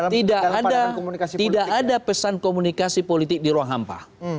tidak ada pesan komunikasi politik di ruang hampa